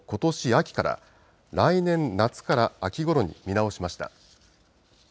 秋から来年夏から秋ごろに見直しました。